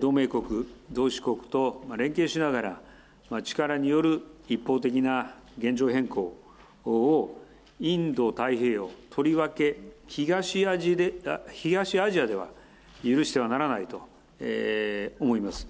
同盟国、同志国と連携しながら、力による一方的な現状変更をインド太平洋、とりわけ東アジアでは、許してはならないと思います。